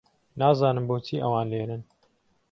نازانم بۆچی ئەوان لێرەن.